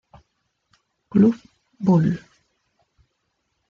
Club; Bull.